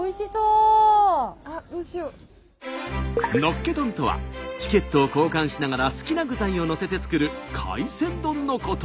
のっけ丼とはチケットを交換しながら好きな具材をのせて作る海鮮丼のこと。